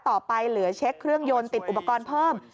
เหลือเช็คเครื่องยนต์ติดอุปกรณ์เพิ่ม